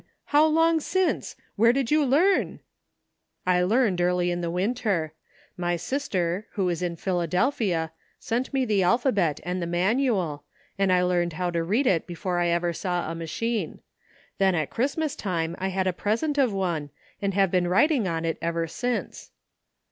How long since? Where did you learn ?" "I learned early in the winter. My sister, who is in Philadelphia, sent me the alphabet ANOTHER ''SIDE TRACK.'' 345 and the Manual, and I learned how to read it before I ever saw a machine. Then at Christ mas time I had a present of one, and have been writing on it ever since."